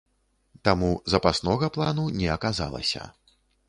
Таму запаснога плану не аказалася.